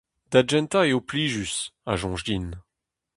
Da gentañ eo plijus, a soñj din.